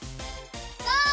ゴー！